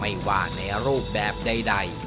ไม่ว่าในรูปแบบใด